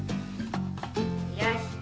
よし。